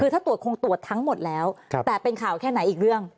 คือถ้าตรวจคงตรวจทั้งหมดแล้วแต่เป็นข่าวแค่ไหนอีกเรื่อง